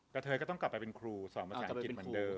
เธอก็ต้องกลับไปเป็นครูสอนภาษาอังกฤษเหมือนเดิม